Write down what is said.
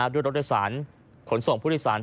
ด้วยรถโดยสารขนส่งผู้โดยสาร